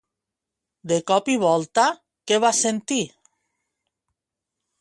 De cop i volta què va sentir?